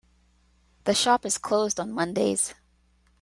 The shop is closed on Mondays.